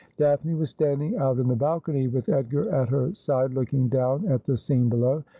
Daphne was standing out in the balcony, with Edgar at her side, looking down at the scene below.